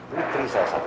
putri saya satu satunya